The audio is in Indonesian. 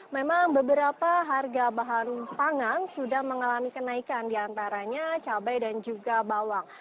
memang beberapa harga bahan pangan sudah mengalami kenaikan diantaranya cabai dan juga bawang